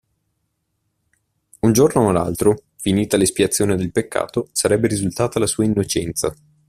Un giorno o l'altro, finita l'espiazione del peccato, sarebbe risultata la sua innocenza.